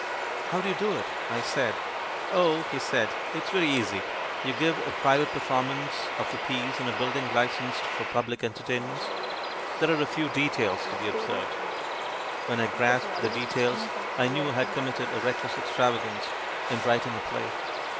'How do you do it?' I said. 'Oh,' he said, 'it's very easy. You give a private perform ance of the piece in a building licensed for public 54) THE IVIAN WHO UNDERSTOOD WOMEN entertainments. There are a few details to be observed.' When I grasped the details I knew I had committed a reckless extravagance in writing a play.